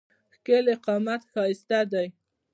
ښکېلی قامت ښایسته دی.